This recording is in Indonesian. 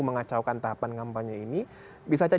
mengacaukan tahapan kampanye itu